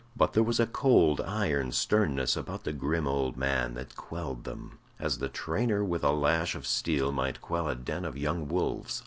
But there was a cold, iron sternness about the grim old man that quelled them, as the trainer with a lash of steel might quell a den of young wolves.